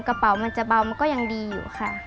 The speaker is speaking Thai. กระเป๋ามันจะเบามันก็ยังดีอยู่ค่ะ